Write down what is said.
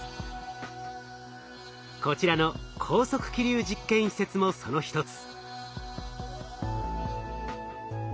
こちらの高速気流実験施設もその一つ。